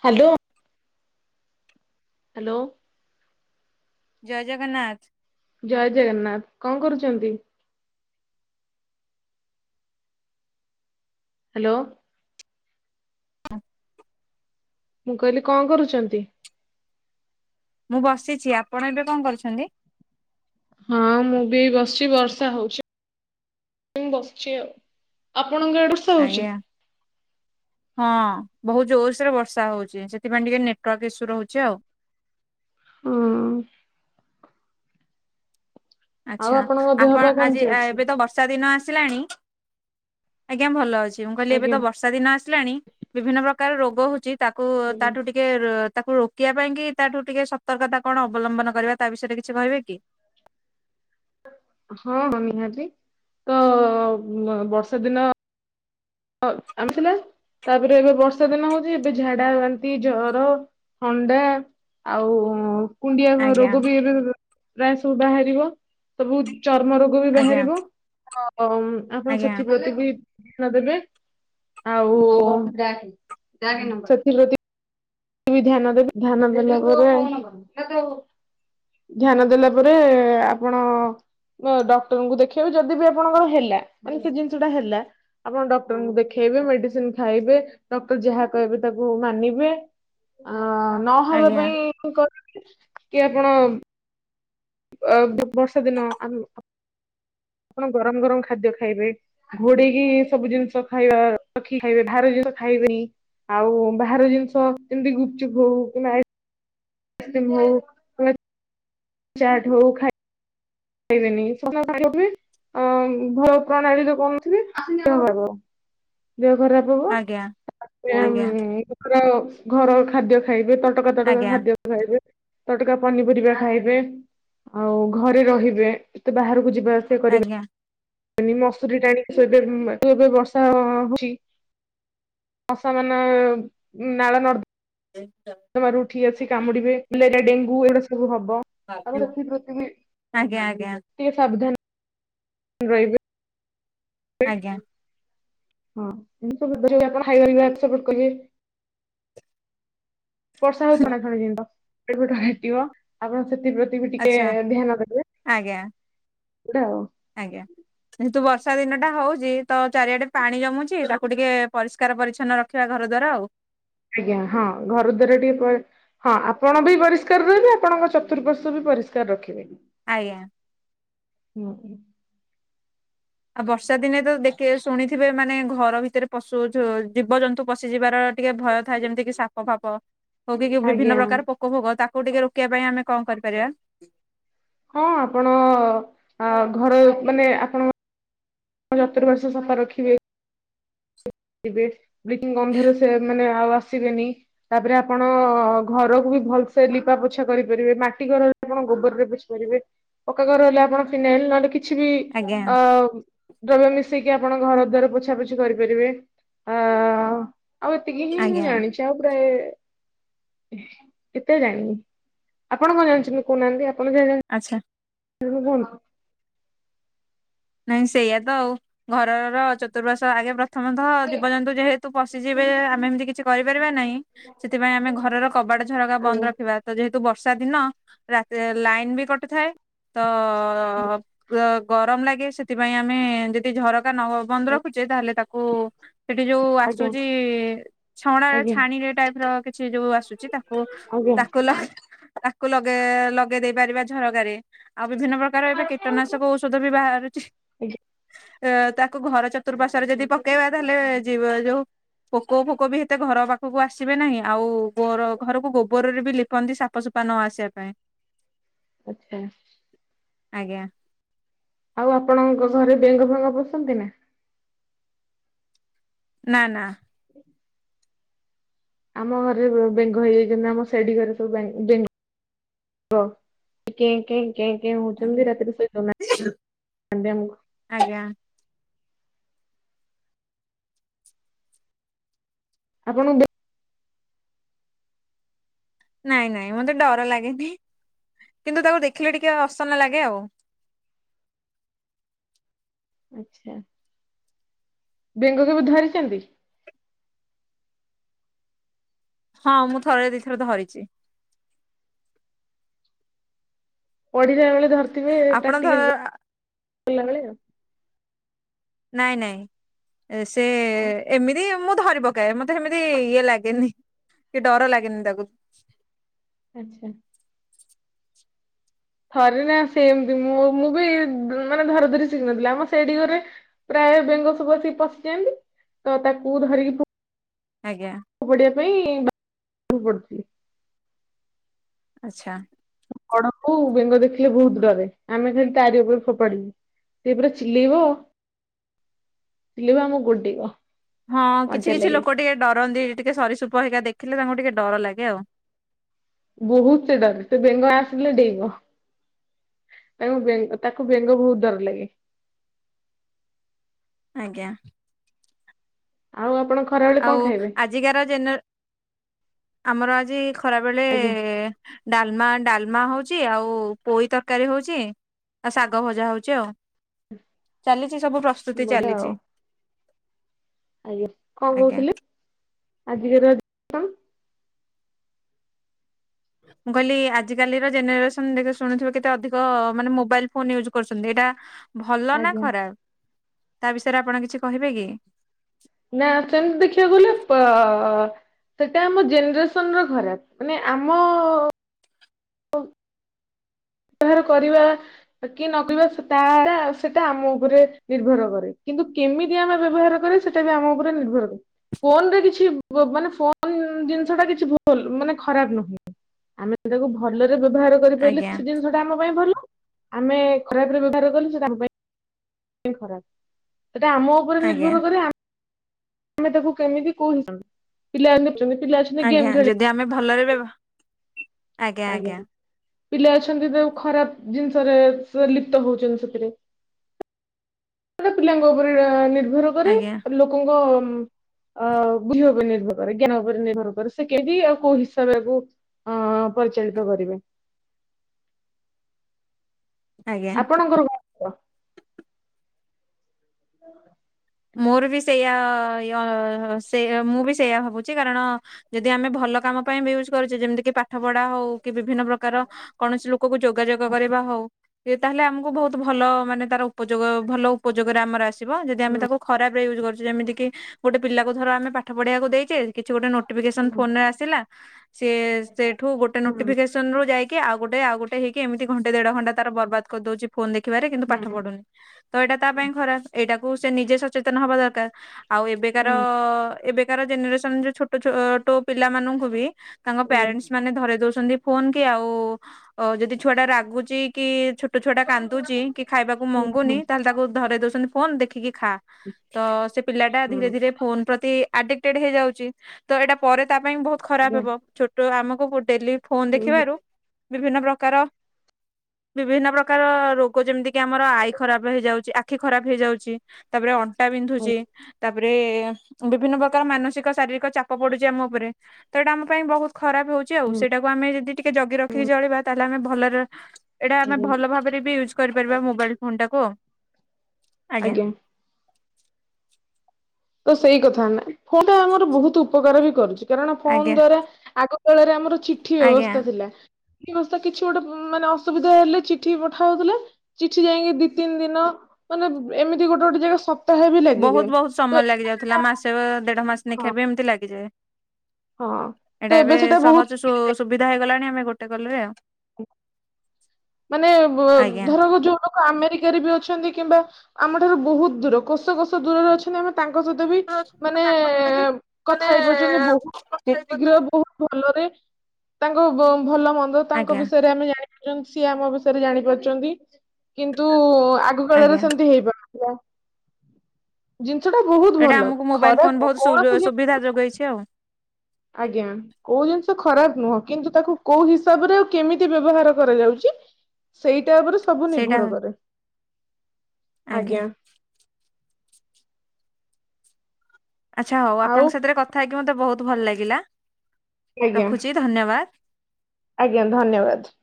Hello. Hello. ଜୟ ଜଗନ୍ନାଥ। ଜୟ ଜଗନ୍ନାଥ କଁ କରୁଚନ୍ତି। ହାଲୋ। ମୁଁ କହିଲି କଁ କରୁଚନ୍ତି। ମୁଁ ବସିଛି ଆପଣ ଏବେ କଁ କରୁଛନ୍ତି। ହଁ ମୁଁ ବି ଏଇ ବସିଛି ବର୍ଷା ହୋଉଛି। ବସିଛି ଆଉ ଆପଣଙ୍କ ଆଡେ ବର୍ଷା ହୋଉଛି। ଆଜ୍ଞା ହଁ ବୋହୁତ ଜୋରସରେ ବର୍ଷା ହୋଉଚି ସେଥିପାଇଁ ଟିକେ ନେଟୱାର୍କ ଇସୁ ରୋହୁଛି ଆଉ। ହଁ। ଆଉ ଆଛା ଆପଣଙ୍କ ଦେହ ଆପଣ ପା ଆଜି କେମିତି ଆ ଅଛି? ଏବେ ତ ବର୍ଷା ଦିନ ଆସ ସିଲାଣି ଆଜ୍ଞା ଭଲ ଅଛି ମୁଁ କହିଲି ଏବେ ଆଜ୍ଞା ତ ବର୍ଷା ଦିନ ଆସି ସିଲାଣି ବିଭିନ୍ନ ପ୍ରକାର ରୋଗୋ ହୋଉଚି ତାକୁ ଆଜ୍ଞା ତାଠୁ ଟିକେ ର ତାକୁ ରୋକିବା ପାଇଁ କି ତାଠୁ ଟିକେ ସତର୍କତା କଣ ଅବଲମ୍ବନ କରିବା ତା ବିଷୟରେ କିଛି କହିବେ କି? ହଁ ହଁ ନିହାତି ତ ମ ବର୍ଷା ଦିନ ଆମେ ସିନା ତାପେରେ ଏବେ ବର୍ଷା ଦିନ ହୋଉଚି ଏବେ ଝାଡା ବାନ୍ତି ଜର ଥଣ୍ଡା ଆଉ କୁଣ୍ଡିଆ ଆଜ୍ଞା ରୋଗୋ ବି ଏବେ ଏବେ ପ୍ରାୟ ସବୁ ବାହାରିବ ସବୁ ଚର୍ମ ରୋଗୋ ବି ଆଜ୍ଞା ବାହାରିବ ତ ଆପଣ ଆଜ୍ଞା ସେଥିପ୍ରତି ବି ଧ୍ୟାନ ଦେବେ। ଆଉ ବି ଧ୍ୟାନ ଦେବେ ଧ୍ୟାନ ଦେଲା ପରେ ଧ୍ୟାନ ଦେଲା ପରେ ଆପଣ ବ ଡକ୍ଟରଙ୍କୁ ଦେଖେଇବ ଯଦି ବି ଆପଣଙ୍କର ହେଲା ମାନେ ସେ ଜିନିଷ ଟା ହେଲା ଆପଣ ଡକ୍ଟରଙ୍କୁ ଦେଖେଇ ଇବେ ମେଡ଼ିସିନ୍ ଖାଇବେ ଡକ୍ଟର ଯାହା କହିବେ ତାକୁ ମାନିବେ ଆ ଆଁ ନହବା ଆଜ୍ଞା ପାଇଁ କଣ କି ଆପଣ ଅ ବ ବର୍ଷା ଦିନ ଆମ ହ ଆପଣ ଗରମ ଗରମ ଖାଦ୍ୟ ଖାଇବେ ଘୋଡେଇକି ସବୁ ଜିନିଷ ଖାଇବା ରଖି ଖାଇବେହାର ଜିନିଷ ଖାଇବେନି ଆଉ ବାହାର ଜିନିଷ ଏମତି ଗୁପଚୁପ ହଉ ହ ଚାଟ ହଉ ଖାଇ ଖାଇବନି [unintelligible] ଅ ଭଲ ପ୍ରଣାଳୀ ଯ କଣଥିଲ ଦେହ ଖରାପ ହବ ଆଜ୍ଞା ତାପ ଆଜ୍ଞା ଘର ଘର ଖାଦ୍ୟ ଖାଇବେ ତ ତଟକା ତଟକା ଖାଦ୍ୟ ଖାଇବେ ତଟକା ପନିପରିବା ଖାଇବେ ଆଉ ଘରେ ରହିବେ ବେ ଏତେବାହାରକୁ ଯିବା ଆସିବା କରିବେ ଆଜ୍ଞା ନି ମସୁରୀ ଟାଣିକି ଶୋଇବେ ସେ ଏବେ ଏବେ ବ- ବର୍ଷା ହଉଚି। ଆସ ମାନ ନାଳ ନାର୍ଦମ ତମ ର ଉଠି ଅଛି କାମୁଡିବେ ମେଲେରିଆ ଡେଙ୍ଗୁ ଏଗୁଡା ସବୁ ହବ ହବ ଆମ ସେଥିପତି ବି ଆଜ୍ଞା ଆଜ୍ଞା ଆଜ୍ଞା ଟିକେ ସାବଧାନ ରହିବେ। ଆଜ୍ଞା। ହଁ ଏମିତି ସବୁପ ହାଇଗ ସପୋର୍ଟ କରିବେ। ବର୍ଷା ହଉ ଛଣା ଛଣି ଜିନିଷ ପେଟ ଫେଟ କାଟିବ ଆପଣ ସେ ସେ ପ୍ରତି ବି ଟିକେ ଆଚ୍ଛା ଧ୍ୟାନ ଆଜ୍ଞା ଦେବେ ଆଉ ଆଜ୍ଞା। କିନ୍ତୁ ବର୍ଷା ଦିନ ଟା ହଉଛି ତ ଚାରିଆଡେ ପାଣି ଜମୁଛି ତାକୁ ଟିକେ ପରିଷ୍କାର ପରିଚ୍ଛନ୍ନ ରଖିବା କଥ ଘରଦ୍ୱାର ଆଉ। ଆଜ୍ଞା ହଁ ଘର ଦ୍ଵାରା ଟିକେ ହଁ ଆପଣ ବି ପରିଷ୍କାର ରହିବେ ଆପଣଙ୍କ ଚତୁଃପାର୍ଶ୍ଵ ବି ପରିଷ୍କାର ରଖିବେନି। ଆଜ୍ଞା। ଓହୋ। ଆଉ ବର୍ଷା ଦିନେ ତ ଦେଖେ ଶୁଣିଥିବେ ମାନେ ଘର ଭିତରେ ପଶୁ ଜୀବଜନ୍ତୁ ପଶିଯିବାର ଟିକେ ଭୟ ଥାଏ ଯେମିତି କିି ସାପ ଫାପ ହଉ କି କି ବିଭିନ୍ନ ଆଜ୍ଞା ପ୍ରକାର ପୋକ ଫୋକ ତାକୁ ଟିକେ ରୋକ୍ ହଁ ଆପଣ ଆ ଘର ମାନେ ଆପଣ ଚତୁଃପାର୍ଶ୍ଵସଫା ରଖିବେ। ବ୍ଚ କମ ଧ ସେ ମାନେ ଆଉ ଆସିବେନି ତାପରେ ଆପଣ ଘରକୁ ବି ଭଲସେ ଲିପା ପୋଛା କରିପାରିବେ ମାଟି ଘରରେ ଆପଣ ଗୋବରରେ ପୋଛି ପାରିବେ ପକ୍କା ଘର ହେଲେ ଆପଣ ଫିନାଇଲ ନହେଲେ କିଛି କିଛି ବି ଆଜ୍ଞା ଅ- ଦ୍ରବ୍ୟ ମିଶେଇକି ଆପଣ ଘର ଦ୍ଵାର ପୋଛାପୋଛି କରିପାରିବେ। ଅ-ଆଉ ଏତିକି ହିଁ ମୁଁ ଆଜ୍ଞା ଜାଣିଛି ଆଉ ପ୍ରାୟେ ଏତେ ଜାଣିନି ଆପଣ କଣ ଜାଣିଛନ୍ତି? କହୁନାହାନ୍ତି। [unintelligible] ଆଚ୍ଛା। ଆଉ ସବୁ ଭଲ ନାଇଁ ସେଇଆ ତ ଆଉ ଘରର ଚତୁଃପାର୍ଶ୍ଵ ଆଗେ ପ୍ରଥମତଃ ଜୀବଜନ୍ତୁ ଯେହେତୁ ତୁ ପଶିଯିବେ ଆମେ ଏମିତି କିଛି କରିପାରିବା ନାହିଁ। ସେଥିପାଇଁ ଆମେ ଘରର କବାଟ ଝରକା ବନ୍ଦ ଆଜ୍ଞା ରଖିବା ଯେ ତୁ ବର୍ଷା ଦିନ ରାତିରେ ଲାଇନ ବି କଟୁଥାଏ। ତ ଗରମ ଲାଗେ। ସେଥିପାଇଁ ଆମେ ଯଦି ଝରକା ନ ବନ୍ଦ ରଖୁଛେ ତାହେଲେ ତାକୁ ସେଠି ଯୋଉ ଆଜ୍ଞା ଆସୁଛି ଛଣା ଆଜ୍ଞା ଛାଣ ଟାଇପ ର କିଛି ଯୋଉ ଆସୁଛି ତାକୁ ଆଜ୍ଞା ତାକୁ ତାକୁ ଲଗେଇ- ଲଗେଇ ଦେଇ ପାରିବା ଝରକାରେ। ଆଉ ବିଭିନ୍ନ ପ୍ରକାର ଏବେ କୀଟନାଶକ ଔଷଧ ବି ବାହାରୁଛି। [unintelligible] ଏ ତାକୁ ଘର ଚତୁର୍ପାର୍ଶଵରେ ଯଦି ପକେଇବା ତାହେଲେ ଯିବ ଯୋଉ ପୋକ ଫୋକ ବି ଏତେ ଘର ପାଖକୁ ଆସିବେ ନାହିଁ ଆଉ ଘରକୁ ଗୋବରରେ ବି ଲିପନ୍ତି ସାପସ ନ ଆସିବା ପାଇଁ। ଆଚ୍ଛା। ଆଜ୍ଞା। ଆଉ ଆପଣଙ୍କ ଘରେ ବେଙ୍ଗ ଫେଙ୍ଗ ପସନ୍ତି ନା। ନା ନା। ଆମ ଘରେ ବେଙ୍ଗ ହେଇଯାଇଛନ୍ତି, ଆମ ସେଢୀ ଘରେ ସବୁ ବେ ଙ୍ଗ କେଁ କେଁ। କେଁ କେଁ ହଉଛନ୍ତି ଆଜ୍ଞା ରାତିରେ ସୋଇଦଉ ନାହାଁନ୍ତି ଆମକୁ। ଆଜ୍ଞା ଆପଣଙ୍କୁ ନାଇଁ ନାଇଁ ମତେ ଡର ଲାଗେନି। କିନ୍ତୁ ତାକୁ ଦେଖିଲେ ଟିକେ ଅସନା ଲାଗେ ଆଉ। ଆଛା ବେଙ୍ଗ କେବେ ଧରିଛନ୍ତି? ହଁ ମୁଁ ଥରେ ଦିଇ ଥର ଧରିଛି। ପଢିଲା ବେଳେ ଧରିଥିବେ ଆପଣ ଧର ପ୍ରାକ୍ଟିକାଲ କଲା ବେଳେ। ନାଇଁ ନାଇଁ ସେ ଆଉ। ଏମିତି ମୁଁ ଧରି ପକାଏ ମତେ ସେମିତି ଇଏ ଲାଗେନି କି ଡର ଲାଗେନି ତାକୁ। ଆଚ୍ଛା। ଥରେ ନା ସେମତି ମୁଁ ମୁଁ ବି ମାନେ ଧରା ଧରି ଶିଖିନଥିଲି ଆମ ସେଡି ଘରେ ପ୍ରା ଏ ବେଙ୍ଗ ସବୁ ଆସିକି ପଶିଜାନ୍ତି ତ ତାକୁ ଧରିକି। ଆଜ୍ଞା। ଫୋପାଡ଼ିବା ପାଇଁ [inaudible] କରୁଥିଲି ଆଛା। ବଡ଼ବୋଉ ବେଙ୍ଗ ଦେଖିଲେ ବହୁତ ଡରେ, ଆମେ ଖାଲି ତାରି ଉପରେ ଫୋପାଡିବୁ। ସେପୁରା ଚିଲେଇବ ଚିଲେଇବ ଆମକୁ ଗୋଡେଇବ। ହଁ ମଜା କିଛି କିଛି ଲାଗେ ଲୋକ ଟିକେ ଡରନ୍ତି ଟିକେ ସରିଶ୍ରୁପ ହେରିକା ଦେଖିଲେ ତାଙ୍କ। ଟିକେ ଡର ଲାଗେ ଆଉ। ବହୁତ ସେ ଡରେ ସେ ବେଙ୍ଗ ଆସିଲେ ଡେଇଁବ। ତାଙ୍କୁ ବେଙ୍ଗ ତାକୁ ବେଙ୍ଗ ବହୁତ ଡର ଲାଗେ। ଆଜ୍ଞା।। ଆଉ ଆପଣ କ ଆଉ ଆଜିକାର ଜେନେର ଆମର ଆଜି ଖରାବେଳେ ଆଜ୍ଞା ଡାଲମା ଡାଲ ମା ହଉଛି ଆଉ ପୋଇ ତରକାରୀ ହଉଛି ଆଉ ଶାଗ ଭଜା ହଉଛି ଆଉ। ଚାଲିଛି ସବୁ ପ୍ରସ୍ତୁତି ବଢିଆ ଆଉ ଚାଲିଛି। ଆଜ୍ଞା କଣ ଆଜ୍ଞା। କହୁଥିଲେ ଆଜିକା ମୁଁ କହିଲି ଆଜି କାଲି। ର ଜେନେରେସନ ଦେଖ ଶୁଣୁଥିବ କେତେ ଅଧିକ ମାନେ ମୋବାଇଲ ଫୋନ ୟୁଜ୍ କରୁଛନ୍ତି ଏଇଟା। ଭଲ ନା ଆଜ୍ଞା ଖରାପ ତା ବିଷୟରେ ଆପଣ କିଛି କହିବେ କି। ନା ସେମିତି ଦେଖିବାକୁ ଗଲେ ପ ସେଟା ଆମ ଜେନେରେସନ ର ଖରାପ ମାନେ ଆମ ଓ। ବ୍ୟବହାର କରିବା କି ନକରିବା ତାର ସେଟା ଆମ ଉପରେ ନିର୍ଭର କରେ। କିନ୍ତୁ କେମିତି ଆମେ ବ୍ୟବହାର କରିବା ସେଟା ବି ଆମ ଉପରେ ନିର୍ଭର କରେ। ଫୋନରେ କିଛି ବ ମାନେ ଫୋନ ଜିନିଷ ଟା କିଛି ଭୁଲ ମାନେ ଖରାପ ନୁହେଁ। ଆମେ ତାକୁ ଭଲରେ ବ୍ୟବହାର କରିପାରିଲେ ଆଜ୍ଞା ସେ ଜିନିଷ ଟା ଆମ ପାଇଁ ଭଲ। ଆମେ ଖରାପ ରେ ବ୍ୟବହାର କଲେ ସେଟା ଆମ ପାଇଁ ଖରାପ। ସେଟା ଆମ ଉପରେ ଆଜ୍ଞା ନିର୍ଭର କରେ ଆ ଆମେ ତାକୁ କେମିତି କୋଉ ହିସାବ ରେ ପିଲା ଇଏ କରୁଛନ୍ତି ପିଲା ଅଛନ୍ତି ଗେମ୍ ଆଜ୍ଞା ଯଦି ଆମେ ଭଲରେ ଖେଲିବେ। ବ୍ୟବ ଆଜ୍ଞା ଆଜ୍ଞା। ପିଲା ଅଛନ୍ତି ତାକୁ ଖରାପ ଜିନିଷରେ ସେ ଲିପ୍ତ ହଉଛନ୍ତି ସେଥିରେ। ସେଇଟା ପିଲାଙ୍କ ଉପରେ ନିର୍ଭର କରେ ଆଜ୍ଞା ଲୋକଙ୍କ। ଅ ବୁଧି ଉପରେ ନିର୍ଭର କରେ ଜ୍ଞାନ ଉପରେ ନିର୍ଭର କରେ, ସେ କେହି ଆଉ କୋଉ ହିସାବ ରେ ଆକୁ। ଅଁ, ପରିଚାଳିତ କରିବେ। ଆଜ୍ଞା। କ [inaudible] ମୋର ବି ସେଇଆ ୟ-ସେ ମୁଁ ବି ସେଇଆ ଭାବୁଛି। କାରଣ ଯଦି ଆମେ ଭଲ କାମ ପାଇଁ ବି ୟୁଜ୍ କରିଚୁ। ଯେମିତି କି ପାଠ ପଢା ହଉ କି ବିଭି ବିଭିନ୍ନ ପ୍ରକାର କୌଣସି ଲୋକକୁ ଯୋଗାଯୋଗ କରିବା ହଉ। ଏ ତାହେଲେ ଆମକୁ ବହୁତ ଭଲ ମାନେ ତାର ଉପଯୋଗ ଭଲ ଉପଯୋଗରେ ଆମର ଆସିବ। ଯଦି ଆମେ ତାକୁ ଏବେ ୟୁଜ୍ କରୁଚୁ ଯେମିତି କି ଗୋଟେ ପିଲାକୁ ଧର ଆମେ ପାଠ ପଢିବାକୁ ଦେଇଚେ କିଛି ଗୋଟେ ନୋଟିଫିକେସନ୍ ଫୋନ୍ ରେ ହୁଁ ଆସିଲା ସିଏ ସେଉଠୁ ଗୋଟେ ନୋଟିଫିକସନ୍ ରୁ ଯାଇ କି ଆଉ ଗୁଟେ ଆଉ ଗୁଟେ ହେଇକି ଏମିତି ଘଣ୍ଟେ ଦେଢ ଘଣ୍ଟା ତାର ବର୍ବାଦ କରଦଉଚି। ଫୋନ୍ ଦେଖିବାରେ କିନ୍ତୁ ପାଠ ହୁଁ ପଢୁନି। ତ ଏଇଟା ତା ପାଇଁ ଖରାପ। ଏଇଟାକୁ ସେ ନିଜେ ସଚେତନ ହବା ଦରକାର। ଆଉ ଏବେକାର ହୁଁ ଏବେକାର ଜେନେରେସନ୍ ରେ ଛୋଟ ଛୋ ଟ ପିଲାମାନଙ୍କୁ ବି ତାଙ୍କ ହୁଁ ପ୍ୟାରେଣ୍ଟସ୍ ମାନେ ଧରେଇ ଦଉଛନ୍ତି ଫୋନ୍ କି ଆଉ ଓ ଯଦି ଛୁଆଟା ରାଗୁଚି କି ଛୋଟ ଛୁଆଟା କାନ୍ଦୁଚି କି ଖାଇବାକୁ ହୁଁ ହୁଁ ମଗୁନି ତାହେଲେ ତାକୁ ଧରେଇ ଦଉଛନ୍ତି ଫୋନ୍ ଦେଖିକି ଖା। ତ ସେ ପିଲା ଟା ହୁଁ ଧୀରେ ଧୀରେ ଫୋନ୍ ପ୍ରତି ଆଡିକଟେଡ୍ ହେଇଯାଉଚି। ତ ଏଇଟା ପରେ ତା ପାଇଁ ବହୁତ ଖରାପ ଆଜ୍ଞା। ହେବ। ଛୋଟ ଆମକୁ ଡେଲି ଫୋନ୍ ହୁଁ ହୁଁ ଦେଖିବାରୁ ବିଭିନ୍ନ ପ୍ରକାର ବିଭିନ୍ନ ପ୍ରକାର ରୋଗ ଯେମିତି କିି ଆମର ଆଈ ଖରାପ ହେଇଯାଉଚି। ଆଖି ଖରାପ ହେଇଯାଉଚି। ତାପରେ ଅଣ୍ଟା ବିନ୍ଧୁଚି। ଆଜ୍ଞା ତାପ ରେ ଉଁ, ବିଭିନ୍ନ ପ୍ରକାର ମାନସିକ ଶାରୀରିକ ଚାପ ପଡୁଚି ଆମ ଉପରେ। ତ ଏଇଟା ଆମ ପାଇଁ ବହୁତ ଖରାପ ହଉଚି ଆଉ। ହୁଁ ସେଇଟାକୁ ଆମେ ଯଦି ଟିକେ ଜଗି ରଖିକି ଚଳିବା ତାହେଲେ ଆମେ ଭଲରେ ଏଇଟା ଆମେ ଆଜ୍ଞା ଭଲ ଭାବରେ ବି ୟୁଜ୍ କରିପାରିବା ମୋବାଇଲୂ ଫୋନ୍ ଟା କୁ। ଆଜ୍ଞା। ତ ସେଇ କଥା ନା ଫୋନ୍ ଟା ଆମର ବହୁତ ଉପକାର ବି କରୁଚି। କାରଣ ଫୋନ୍ ଆଜ୍ଞା ଦ୍ଵାରା ଆଗ କାଳରେ ଆମର ଚିଠି ଆଜ୍ଞା ବ୍ୟବସ୍ଥା ଥିଲା। କି ଅସ କିଛି ଗୋଟେ ଉଁ, ମାନେ ଅସୁବିଧା ହେଲେ ଚିଠି ପଠା ହଉଥିଲା। ଚିଠି ଯାଇକି ଦି ତିନି ଦିନ ମାନେ ଏମିତି ଗୋଟେ ଗୋଟେ ଜାଗା ସପ୍ତାହେ ବି ବହୁତ ଲାଗିଯାଏ। ବହୁତ ତ ସମୟ ଏବେ ଲାଗି ଯାଉଥିଲା। ସେଟା ମାସେ ଦେଢ ମାସ ନେଖା ହଁ ବି ଏମିତି ଲାଗିଯାଏ। ହଁ ଏଇଟା ତ ଏବେ ସେଟା ବହୁତ ସହଜ ସୁ-ସୁବିଧା ହେଇଗଲାଣି ଆମେ ଗୋଟେ କଲରେ ଆଉ। ଉ ମାନେ ବ- ଆଜ୍ଞା ଧର ଯୋଉ ଲୋକ ଆମେରିକାରେ ବି ଅଛନ୍ତି। କିମ୍ବା ଆମ ଠାରୁ ବହୁତ ଦୂର। କୋଷ କୋଷ ଦୂରରେ ଅଛନ୍ତି। ଆମେ ତାଙ୍କ ସହିତ ବି ଅଛି ମାନେ ତାଙ୍କ ସହିତ ବି କଥା ହେଇପାରୁଛନ୍ତି ମାନେ ବହୁତ ଶୀଘ୍ର ଆଜ୍ଞା ବହୁତ ଭଲର। ରେ ତାଙ୍କ ବ-ଭଲ ମନ୍ଦ ତାଙ୍କ ବିଷୟରେ ଆମେ ଜାଣି ପାରୁଚନ। ସିଏ ଆମ ବିଷୟରେ ଜାଣି ପାରୁଚନ୍ତି। କିନ୍ତୁ ଆଗ କାଳରେ ଆଜ୍ଞା ସେମିତି ହେଇପାରୁନଥିଲା। ଯେ ସେଟା ବହୁତ ଏଇଟା ଭଲ ଆମକୁ ମୋବାଇଲ ଫୋନ ଖରାପ ବହୁତ କ-କୌଣସି ସୁବିଧା ଜିନିଷ ଯୋଗେଇଛି ଆଉ। ଆଜ୍ଞା, କୋଉ ଜିନିଷ ଖରାପ ନୁହଁ କିନ୍ତୁ ତାକୁ କୋଉ ହିସାବରେ ଆଉ କେମିତି ବ୍ୟବହାର କରାଯାଉଚି। ସେଇଟା ଉପରେ ସବୁ ସେଇଟା ନିର୍ଭର କରେ। ଆଜ୍ଞା। ଆଚ୍ଛା ହଉ ଆଉ ଆପଣଙ୍କ ସାଥିରେ କଥା ହେଇକି ମୋତେ ବହୁତ ଭଲ ଲାଗିଲା। ଆଜ୍ଞା ରଖୁଚି ଧନ୍ୟବାଦ। ଆଜ୍ଞା ଧନ୍ୟବାଦ।